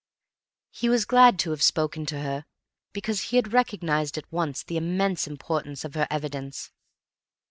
He was glad to have spoken to her, because he had recognized at once the immense importance of her evidence.